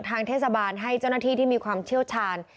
ทางเทศบาลให้เจ้าหน้าที่ที่มีความเชี่ยวชาญ